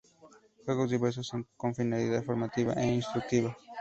Juegos diversos con finalidad formativa e instructiva.